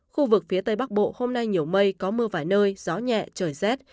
khu vực phía tây bắc bộ hôm nay nhiều mây có mưa vài nơi gió nhẹ trời rét